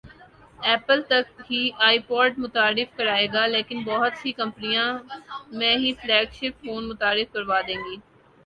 apple تک ہی iPod متعارف کرائے گا لیکن بہت سی کمپنیاں میں ہی فلیگ شپ فون متعارف کرا دیں گی